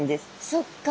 そっか。